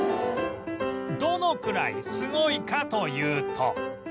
どのくらいすごいかというと